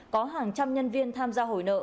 có hàng trăm nhân viên tham gia hồi nợ